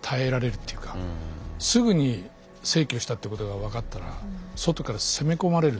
すぐに逝去したってことが分かったら外から攻め込まれる。